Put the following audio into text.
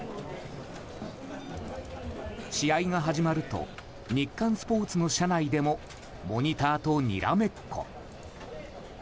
試合が始まると日刊スポーツの社内でもモニターとにらめっこ。